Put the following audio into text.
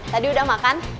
tadi udah makan